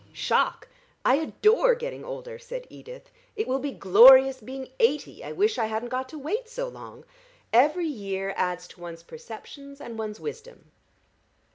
"Shock? I adore getting older," said Edith. "It will be glorious being eighty. I wish I hadn't got to wait so long. Every year adds to one's perceptions and one's wisdom."